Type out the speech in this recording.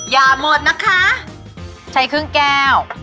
อย่าหมดนะคะใช้ครึ่งแก้ว